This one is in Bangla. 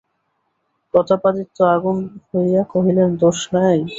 প্রতাপাদিত্য আগুন হইয়া কহিলেন, দোষ নাই?